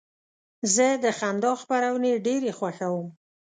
زه د خندا خپرونې ډېرې خوښوم.